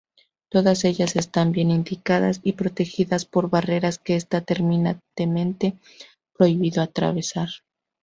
Todas ellas están bien indicadas y protegidas por barreras que está terminantemente prohibido atravesar.